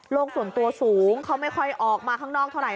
ส่วนตัวสูงเขาไม่ค่อยออกมาข้างนอกเท่าไห